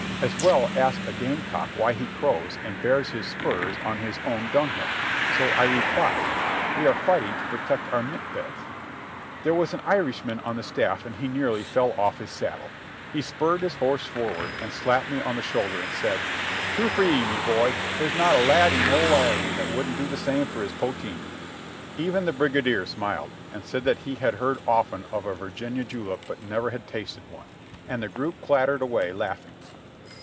As well ask a game cock why he crows and bares his spurs on his own dung hill. So I replied : "We are fighting to protect our mint beds." There was an Irishman on the stafif, and he nearly fell ofif his saddle; he spurred his horse forward and slapped me on the shoulder and said : "True for ye, me boy, there's not a lad in ould Ireland that wouldn't do the same for his poteen." Even the brigadier smiled, and said that he had heard often of a Virginia julep but never had tasted one, and the group clattered away, laughing.